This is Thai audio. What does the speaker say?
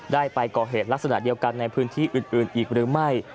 ได้ไปก่อเหตุลักษณะเดียวกันในพื้นที่อื่นอีกหรือไม่